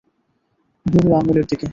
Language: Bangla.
বুড়ো আঙুলের দিকে।